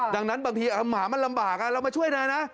ดังนั้นบางทีหมามันลำบากเรามาช่วยหน่อยนะ